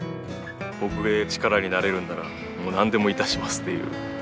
僕で力になれるんならもう何でもいたしますっていう。